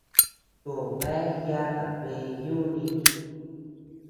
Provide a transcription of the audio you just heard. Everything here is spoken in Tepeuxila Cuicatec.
To bea yata bëe yúuni.